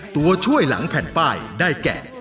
ตัวช่วยหลังแผ่นป้ายได้แก่